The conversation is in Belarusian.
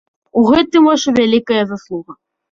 У гэтым ваша вялікая заслуга.